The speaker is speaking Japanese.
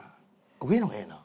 上の方がええよな？